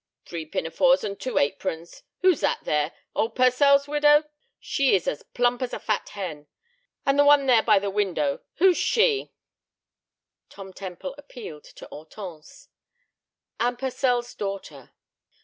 "Three pinafores and two aprons! Who's that there—old Purcell's widow? She is as plump as a fat hen! And the one there by the window, who's she?" Tom Temple appealed to Hortense. "Anne Purcell's daughter."